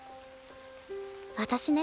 私ね